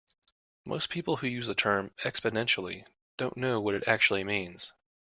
Most people using the term "exponentially" don't know what it actually means.